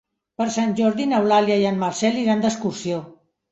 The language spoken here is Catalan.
Per Sant Jordi n'Eulàlia i en Marcel iran d'excursió.